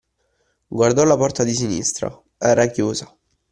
Guardò la porta di sinistra: era chiusa.